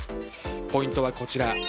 ポイントはこちら。